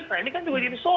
nah ini kan juga jadi soal